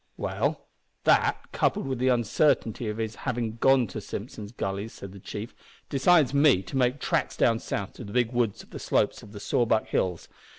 "Well, that, coupled with the uncertainty of his having gone to Simpson's Gully," said the chief, "decides me to make tracks down south to the big woods on the slopes of the Sawback Hills.